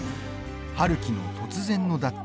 陽樹の突然の脱退。